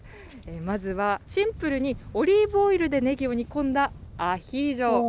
まずはシンプルにオリーブオイルでねぎを煮込んだアヒージョ。